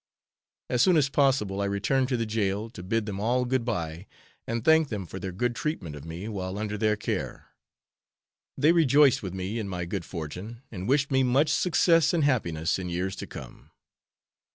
As soon as possible, I returned to the jail to bid them all good bye and thank them for their good treatment of me while under their care. They rejoiced with me in my good fortune and wished me much success and happiness in years to come.